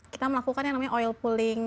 kita melakukan yang namanya oil pooling